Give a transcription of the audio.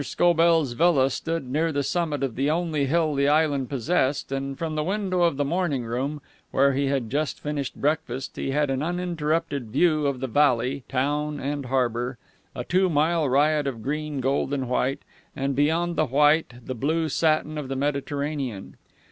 Scobell's villa stood near the summit of the only hill the island possessed, and from the window of the morning room, where he had just finished breakfast, he had an uninterrupted view of valley, town, and harbor a two mile riot of green, gold and white, and beyond the white the blue satin of the Mediterranean.